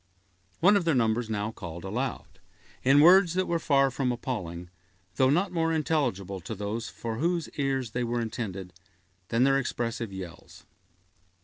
One of their number now called aloud, in words that were far from appalling, though not more intelligible to those for whose ears they were intended, than their expressive yells.